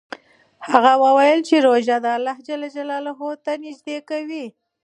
هغه وویل چې روژه خدای ته نژدې کوي.